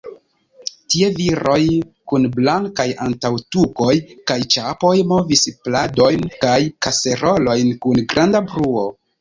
Tie viroj, kun blankaj antaŭtukoj kaj ĉapoj, movis pladojn kaj kaserolojn kun granda bruo.